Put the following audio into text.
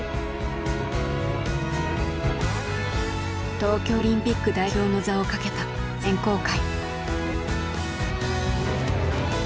東京オリンピック代表の座をかけた選考会。